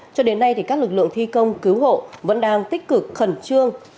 cho đến nay các lực lượng thi công cứu hộ vẫn đang tích cực khẩn trương